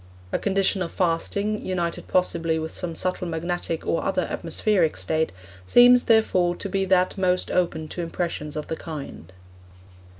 A condition of fasting, united possibly with some subtle magnetic or other atmospheric state, seems, therefore, to be that most open to impressions of the kind.